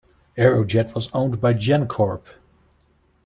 Aerojet was owned by GenCorp.